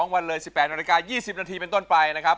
วันเลย๑๘นาฬิกา๒๐นาทีเป็นต้นไปนะครับ